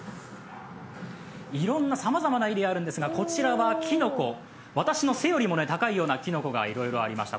さまざまなエリアあるんですがこちらはきのこ、私の背よりも高いようなきのこがいろいろありました。